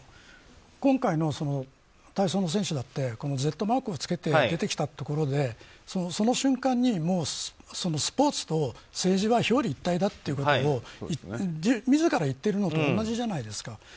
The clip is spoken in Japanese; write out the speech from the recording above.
今回の体操の選手だってＺマークを付けて出てきたところでその瞬間にもうスポーツと政治は表裏一体だということを自ら言っているのと同じじゃないですか。